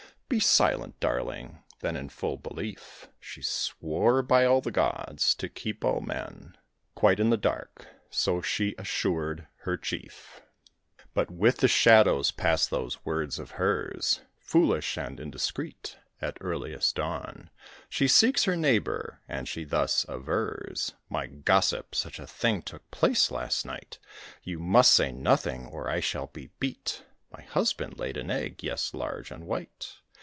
Be silent, darling." Then, in full belief, She swore by all the gods to keep all men Quite in the dark, so she assured her chief. But with the shadows pass those words of hers. Foolish and indiscreet, at earliest dawn, She seeks her neighbour, and she thus avers: "My gossip, such a thing took place last night! You must say nothing, or I shall be beat. My husband laid an egg, yes, large and white.